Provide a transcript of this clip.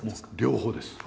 両方です。